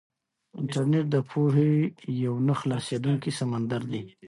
انټرنيټ د پوهې یو نه خلاصېدونکی سمندر دی.